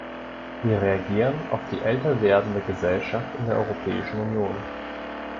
Wir reagieren auf die älter werdende Gesellschaft in der Europäischen Union.